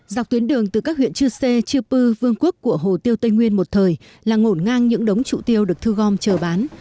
dọc tuyến đường từ các huyện chư sê chư pư vương quốc của hồ tiêu tây nguyên một thời là ngổn ngang những đống trụ tiêu được thu gom chờ bán